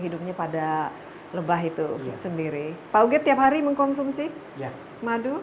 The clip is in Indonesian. hidupnya pada lebah itu sendiri pak uget tiap hari mengkonsumsi madu